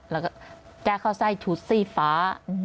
แล้วก็แจ้เขาใส่ชุดซี่ฟ้า